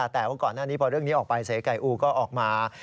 แต่ว่าก่อนหน้านี้พอเรื่องนี้ออกไปเสไก่อูก็ออกมา